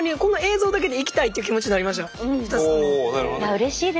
うれしいですね。